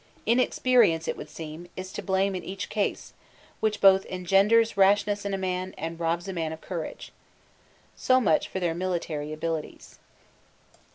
Inexperience, it would seem, is to blame in each ease, which both engenders rashness in a man, and robs a man of courage. So much for their military abilities.